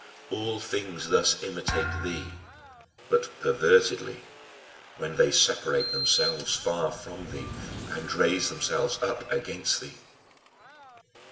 All things thus imitate thee but pervertedly when they separate themselves far from thee and raise themselves up against thee.